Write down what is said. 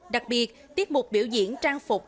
đặc biệt tiết mục biểu diễn trang phục